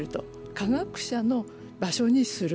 科学者の場所にする。